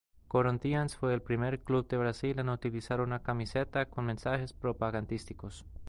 Corinthians fue el primer club de Brasil en utilizar una camiseta con mensajes propagandísticos.